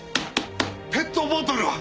ペットボトルは？